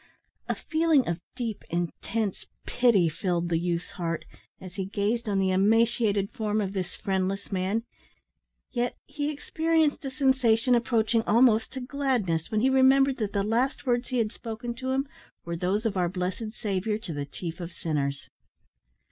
A feeling of deep, intense pity filled the youth's heart, as he gazed on the emaciated form of this friendless man yet he experienced a sensation approaching almost to gladness, when he remembered that the last words he had spoken to him were those of our blessed Saviour to the chief of sinners.